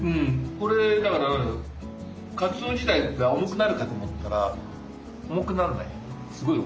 これだからかつお自体が重くなるかと思ったら重くなんない。